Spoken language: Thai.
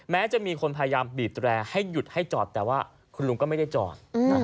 จะมีคนพยายามบีบแตรให้หยุดให้จอดแต่ว่าคุณลุงก็ไม่ได้จอด